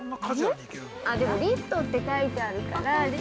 ◆あ、でも、リフトって書いてあるから。